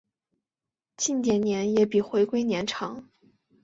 近点年也比回归年长。